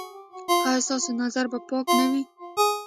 ایا ستاسو نظر به پاک نه وي؟